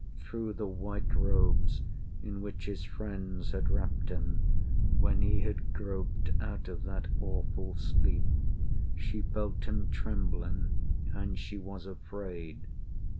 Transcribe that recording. Through the white robes in which his friends had wrapped him When he had groped out of that awful sleep, She felt him trembling and she was afraid.